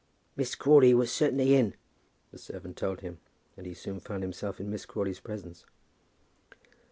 "Miss Crawley was certainly in," the servant told him, and he soon found himself in Miss Crawley's presence.